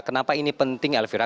kenapa ini penting elvira